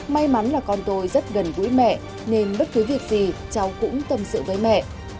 may mắn là con tôi rất gần gũi mẹ nên bất cứ việc gì cháu cũng tâm sự với mẹ